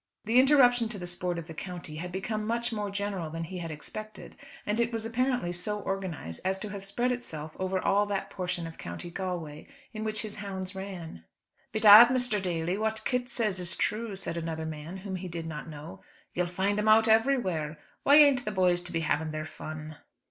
The interruption to the sport of the county had become much more general than he had expected, and it was apparently so organised as to have spread itself over all that portion of County Galway, in which his hounds ran. "Bedad, Mr. Daly, what Kit says is thrue," said another man whom he did not know. "You'll find 'em out everywhere. Why ain't the boys to be having their fun?"